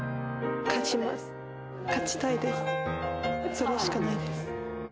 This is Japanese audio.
それしかないです。